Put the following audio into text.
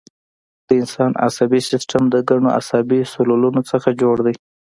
د انسان عصبي سیستم د ګڼو عصبي سلولونو څخه جوړ دی